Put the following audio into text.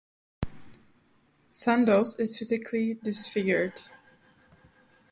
Sandoz is physically disfigured.